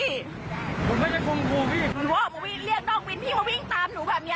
หนูบอกว่าเรียกนอกวิ้นพี่มาวิ่งตามหนูแบบนี้